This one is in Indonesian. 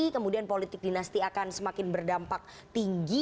kemudian politik dinasti akan semakin berdampak tinggi